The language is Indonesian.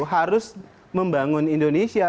harus membangun indonesia